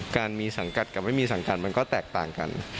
การมีสังกัดกับไม่มีสังกัดมันก็แตกต่างกัน